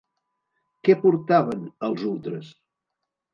Què portaven els ultres?